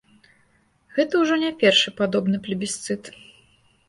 Гэта ўжо не першы падобны плебісцыт.